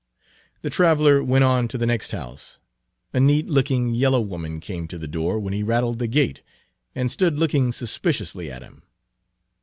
The traveler went on to the next house. A neat looking yellow woman came to the door when he rattled the gate, and stood looking suspiciously at him.